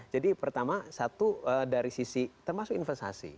jadi pertama satu dari sisi termasuk investasi